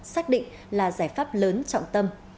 xác định là giải pháp lớn trọng tâm